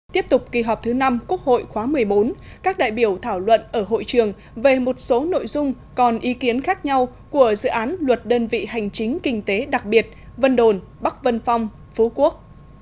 tiếp tục kỳ họp thứ năm quốc hội khóa một mươi bốn các đại biểu thảo luận ở hội trường về một số nội dung còn ý kiến khác nhau của dự án luật đơn vị hành chính kinh tế đặc biệt vân đồn bắc vân phong phú quốc